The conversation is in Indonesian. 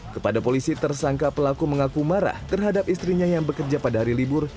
kepada polisi tersangka pelaku mengaku marah terhadap istrinya yang bekerja pada hari libur